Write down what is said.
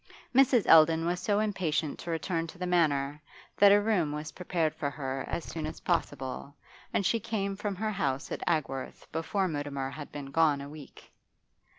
Mrs. Eldon was so impatient to return to the Manor that a room was prepared for her as soon as possible, and she came from her house at Agworth before Mutimer had been gone a week.